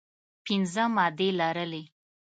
پنځه مادې لرلې.